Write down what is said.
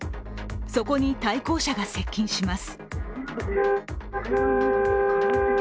そこに対向車が接近します。